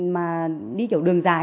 mà đi kiểu đường dài